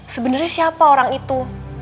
sebenernya siapa orang itu